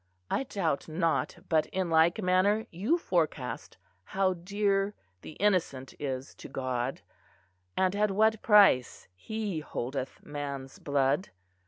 I doubt not but in like manner you forecast how dear the innocent is to God, and at what price He holdeth man's blood.